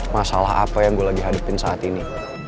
masalah apa yang gue lagi hadapin saat ini